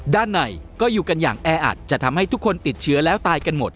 ด้านในก็อยู่กันอย่างแออัดจะทำให้ทุกคนติดเชื้อแล้วตายกันหมด